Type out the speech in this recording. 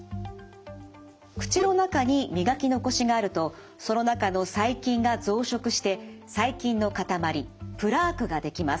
口の中に磨き残しがあるとその中の細菌が増殖して細菌の塊プラークが出来ます。